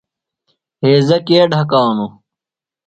ہیضہ کے ڈھکانوۡ؟